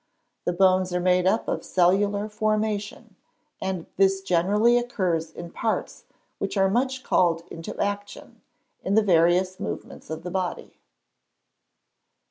The bones are made up of a cellular formation; and this generally occurs in parts which are much called into action, in the various movements of the body.